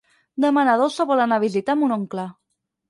Demà na Dolça vol anar a visitar mon oncle.